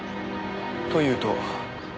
というと？